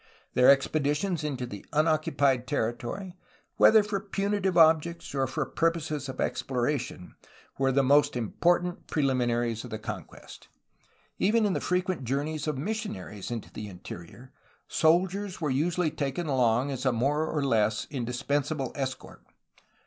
Their ex peditions into unoccupied territory, whether for punitive objects or for purposes of exploration, were the most im portant preliminaries of the conquest; even in the frequent journeys of missionaries into the interior, soldiers were usually taken along as a more or less indispensable escort.